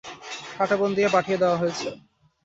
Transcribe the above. কাঁটাবন দিয়ে পাঠিয়ে দেওয়া হয়েছে।